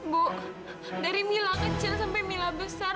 bu dari mila kecil sampai mila besar